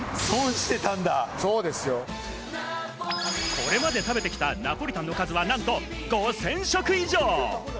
これまで食べてきたナポリタンの数はなんと５０００食以上！